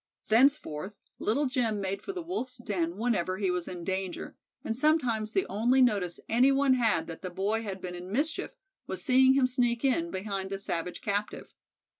Thenceforth Little Jim made for the Wolf's den whenever he was in danger, and sometimes the only notice any one had that the boy had been in mischief was seeing him sneak in behind the savage captive.